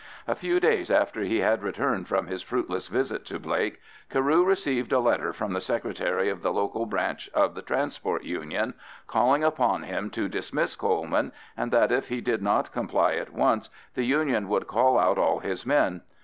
A few days after he had returned from his fruitless visit to Blake, Carew received a letter from the secretary of the local branch of the Transport Union calling upon him to dismiss Coleman, and that if he did not comply at once the Union would call out all his men.